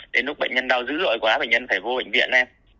đến lúc bệnh nhân đau dữ dội quá bệnh nhân phải vô bệnh viện